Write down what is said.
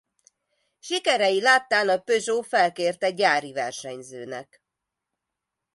Sikerei láttán a Peugeot felkérte gyári versenyzőnek.